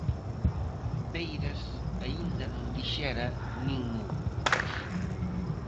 Beiras aínda non dixera "nin mu".